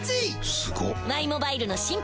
すごっ！